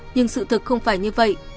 nhưng sự thực không phải như vậy